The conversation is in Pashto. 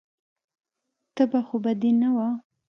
تبه خو به دې نه وه.